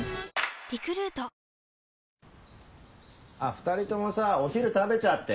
２人ともさお昼食べちゃって。